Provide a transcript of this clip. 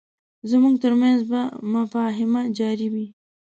زموږ ترمنځ به مفاهمه جاري وي.